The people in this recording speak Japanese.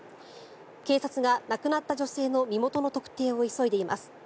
警察が、亡くなった女性の身元の特定を急いでいます。